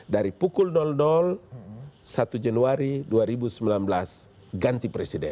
dari pukul satu januari dua ribu sembilan belas ganti presiden